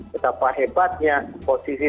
betapa hebatnya posisi